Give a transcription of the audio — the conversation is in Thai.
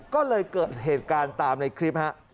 ก็เลยเกิดเหตุการณ์ตามในคลิปฮะ